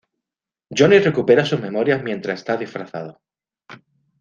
Johnny recupera sus memorias mientras está disfrazado.